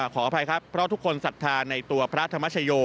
ขออภัยครับเพราะทุกคนศรัทธาในตัวพระธรรมชโย